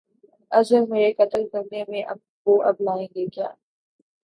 عذر میرے قتل کرنے میں وہ اب لائیں گے کیا